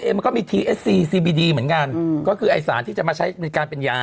มันก็มีทีเอสซีซีบีดีเหมือนกันก็คือไอ้สารที่จะมาใช้ในการเป็นยา